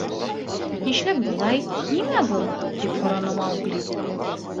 — Нишләп былай, нимә был? — тип һораны Маугли.